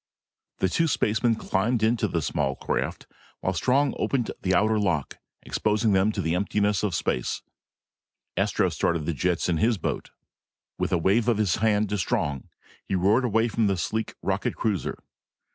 The two spacemen climbed into the small craft, and while Strong opened the outer lock, exposing them to the emptiness of space, Astro started the jets in his boat. With a wave of his hand to Strong, he roared away from the sleek rocket cruiser.